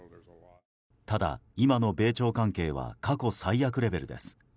ただ、今の米朝関係は過去最悪レベルです。